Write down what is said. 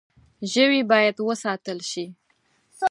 ژوی باید وساتل شي.